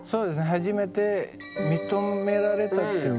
初めて認められたっていうか